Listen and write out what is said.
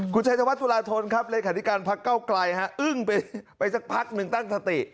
คุณชายชาวทุรทนครับในขณะที่การพักเก้าไกลอึ้งไปสักพักหนึ่งตั้งถติ